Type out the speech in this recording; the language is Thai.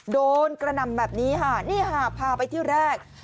โดนกระหน่ำแบบนี้ค่ะนี่ค่ะพาไปที่แรก